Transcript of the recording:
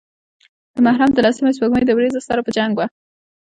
د محرم د لسمې سپوږمۍ د وريځو سره پۀ جنګ وه